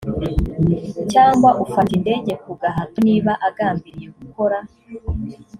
cyangwa ufata indege ku gahato niba agambiriye gukora